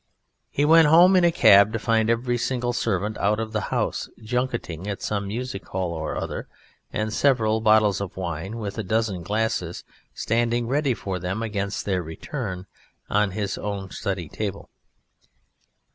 He went home in a cab to find every single servant out of the house, junketing at some music hall or other, and several bottles of wine, with a dozen glasses, standing ready for them against their return, on his own study table.